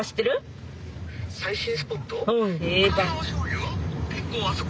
最新スポット？